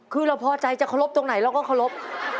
คือเราพอใจจะคลบตรงไหนเราก็คลบ